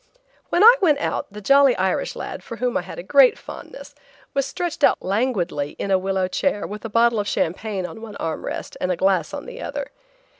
When I went out, the jolly Irish lad, for whom I had a great fondness, was stretched out languidly in a willow chair with a bottle of champagne on one arm rest and a glass on the other.